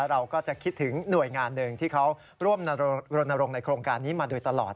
เราก็จะคิดถึงหน่วยงานหนึ่งที่เขาร่วมรณรงค์ในโครงการนี้มาโดยตลอด